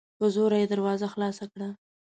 په زور یې دروازه خلاصه کړه